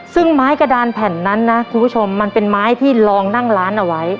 ซึ่งไม้กระดานแผ่นนั้นนะคุณผู้ชมมันเป็นไม้ที่ลองนั่งร้านเอาไว้